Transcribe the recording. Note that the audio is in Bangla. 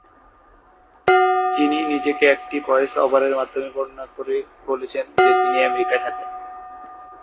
যিনি নিজেকে একটি ভয়েস ওভারের মাধ্যমে বর্ণনা করে বলেছেন যে তিনি আমেরিকাতে থাকেন।